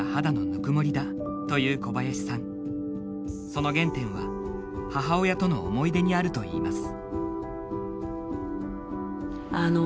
その原点は母親との思い出にあるといいます。